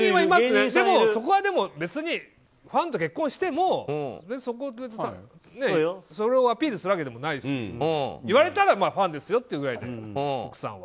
そこは別にファンと結婚してもそれをアピールするわけでもないし言われたら、ファンですよっていうぐらいで奥さんは。